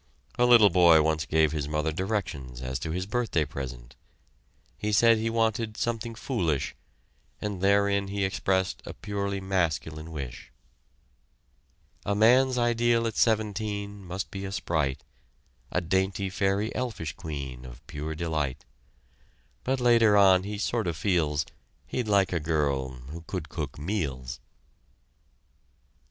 A little boy once gave his mother directions as to his birthday present he said he wanted "something foolish" and therein he expressed a purely masculine wish. A man's ideal at seventeen Must be a sprite A dainty, fairy, elfish queen Of pure delight; But later on he sort of feels He'd like a girl who could cook meals.